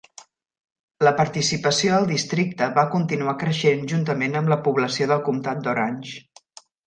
La participació al districte va continuar creixent juntament amb la població del comtat d'Orange.